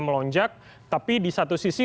melonjak tapi di satu sisi